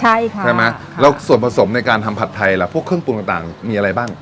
ใช่ค่ะใช่ไหมแล้วส่วนผสมในการทำผัดไทยล่ะพวกเครื่องปรุงต่างมีอะไรบ้าง